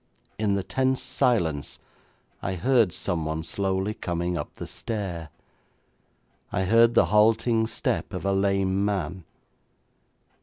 In the tense silence I heard someone slowly coming up the stair; I heard the halting step of a lame man.